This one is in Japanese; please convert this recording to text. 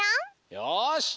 よし！